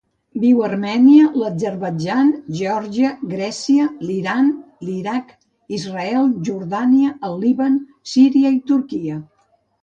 Viu a Armènia, l'Azerbaidjan, Geòrgia, Grècia, l'Iran, l'Iraq, Israel, Jordània, el Líban, Síria i Turquia.